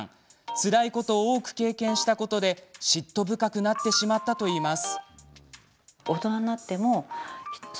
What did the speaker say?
つらいことを多く経験したことで嫉妬深くなってしまったといいます。